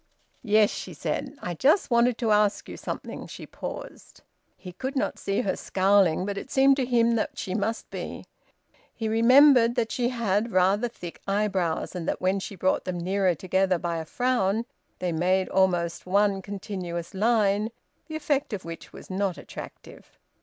"Yes," she said. "I just wanted to ask you something," she paused. He could not see her scowling, but it seemed to him that she must be. He remembered that she had rather thick eyebrows, and that when she brought them nearer together by a frown, they made almost one continuous line, the effect of which was not attractive.